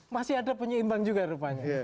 masih ada penyeimbang juga rupanya